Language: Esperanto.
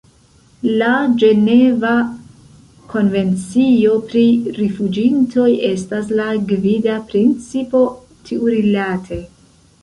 La Ĝeneva konvencio pri rifuĝintoj estas la gvida principo tiurilate.